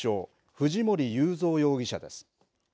藤森友三容疑者です。